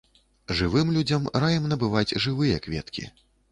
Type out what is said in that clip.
Жывым людзям раім набываць жывыя кветкі.